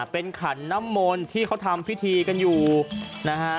เป็นขันน้ำมนต์ที่เขาทำพิธีกันอยู่นะฮะ